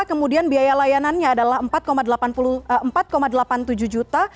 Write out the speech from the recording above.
kemudian biaya layanannya adalah empat delapan puluh tujuh juta